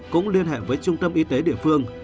cũng liên hệ với trung tâm y tế địa phương